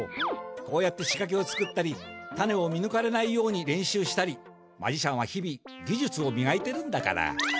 こうやってしかけを作ったりタネを見ぬかれないように練習したりマジシャンは日々ぎじゅつをみがいてるんだから。